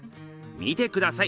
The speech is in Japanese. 見てください